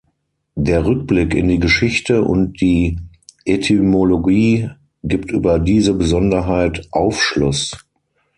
Der Rückblick in die Geschichte und die Etymologie gibt über diese Besonderheit Aufschluss.